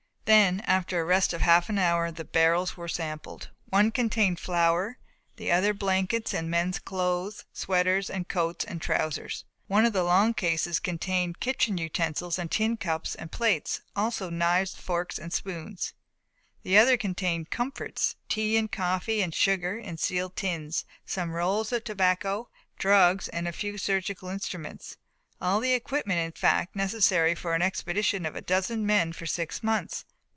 Then after a rest of half an hour the barrels were sampled. One contained flour, the other blankets and mens' clothes, sweaters and coats and trousers. One of the long cases contained kitchen utensils and tin cups and plates, also knives and forks and spoons. The other contained "comforts," tea and coffee and sugar in sealed tins, some rolls of tobacco, drugs and a few surgical instruments. All the equipment, in fact, necessary for an expedition of a dozen men for six months.